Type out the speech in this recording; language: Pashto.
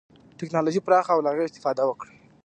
ټکنالوژي پراخه او له هغې استفاده وکړي.